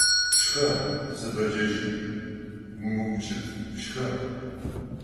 Шхэ, си бэджэжъый, умыукӀыт, шхэ!